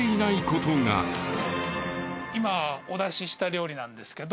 今お出しした料理なんですけど。